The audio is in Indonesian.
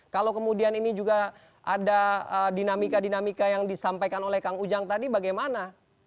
kalau kemudian ini juga ada dinamika dinamika yang disampaikan oleh kang ujang tadi bagaimana